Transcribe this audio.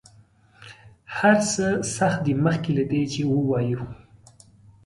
هر څه سخت دي مخکې له دې چې ووایو.